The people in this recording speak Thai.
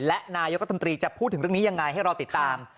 และนายกรัฐมนตรีจะพูดถึงเรื่องนี้ยังไงให้รอติดตาม